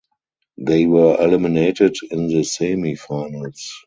The were eliminated in the semi finals.